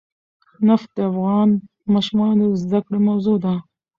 نفت د افغان ماشومانو د زده کړې موضوع ده.